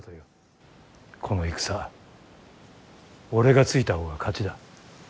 この戦俺がついたほうが勝ちだ。